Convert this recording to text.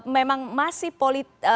memang masih politik